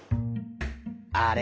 あれ？